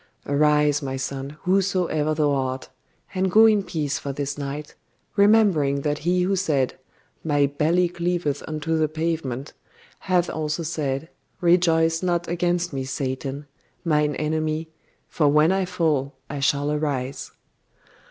Arise, my son, whoso ever thou art; and go in peace for this night, remembering that he who said, "My belly cleaveth unto the pavement," hath also said, "Rejoice not against me, Satan, mine enemy, for when I fall I shall arise!"